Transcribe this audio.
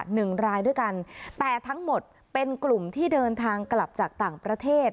หนึ่งรายด้วยกันแต่ทั้งหมดเป็นกลุ่มที่เดินทางกลับจากต่างประเทศ